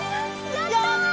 やった！